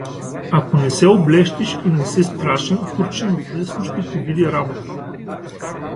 Ако не се облещиш и не си страшен, турчинът лесно ще ти види работата.